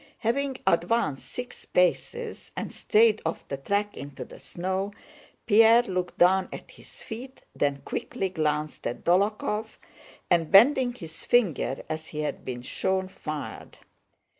Having advanced six paces and strayed off the track into the snow, Pierre looked down at his feet, then quickly glanced at Dólokhov and, bending his finger as he had been shown, fired.